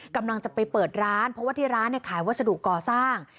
กำลังจะไปเปิดร้านเพราะว่าที่ร้านเนี่ยขายวัสดุก่อสร้าง